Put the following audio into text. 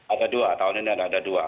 ada dua tahun ini ada dua